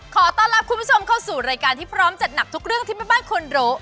ขอต้อนรับคุณผู้ชมเข้าสู่รายการที่พร้อมจัดหนักทุกเรื่องที่แม่บ้านควรรู้